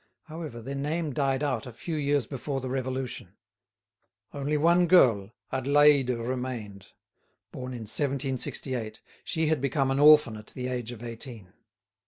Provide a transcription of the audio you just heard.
However, their name died out a few years before the Revolution. Only one girl, Adélaïde, remained; born in 1768, she had become an orphan at the age of eighteen.